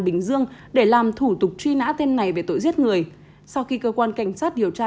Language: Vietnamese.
bình dương để làm thủ tục truy nã tên này về tội giết người sau khi cơ quan cảnh sát điều tra